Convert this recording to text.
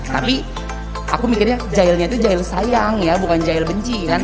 tapi aku mikirnya gilenya itu jahil sayang ya bukan jahil benci kan